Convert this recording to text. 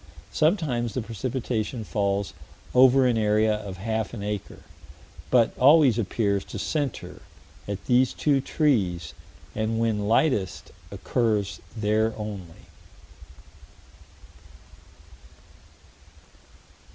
Sometimes the precipitation falls over an area of half an acre, but always appears to center at these two trees, and when lightest occurs there only."